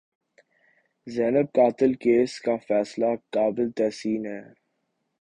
زینب قتل کیس کا فیصلہ قابل تحسین ہے۔